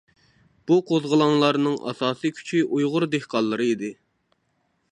بۇ قوزغىلاڭلارنىڭ ئاساسىي كۈچى ئۇيغۇر دېھقانلىرى ئىدى.